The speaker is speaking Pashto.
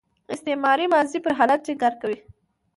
استمراري ماضي پر حالت ټینګار کوي.